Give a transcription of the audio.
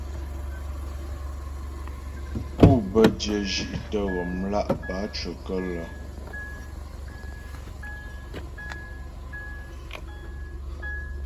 Pû bə́ dyə̂ zhí'tə ghɔmlá' bǎcyəkə́lə́.